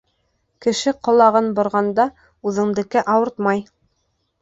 Кеше ҡолағын борғанда, үҙеңдеке ауыртмай.